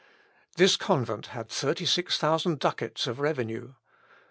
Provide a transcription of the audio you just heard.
This convent had thirty six thousand ducats of revenue.